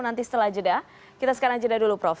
nanti setelah jeda kita sekarang jeda dulu prof